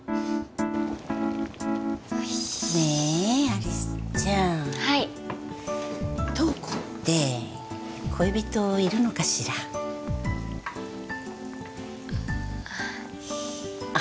ねえ有栖ちゃんはい瞳子って恋人いるのかしらああ